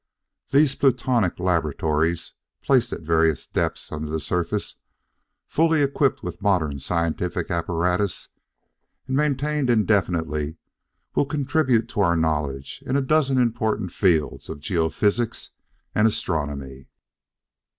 "These Plutonic laboratories, placed at various depths under the surface, fully equipped with modern scientific apparatus, and maintained indefinitely, will contribute to our knowledge in a dozen important fields of geophysic and astronomy."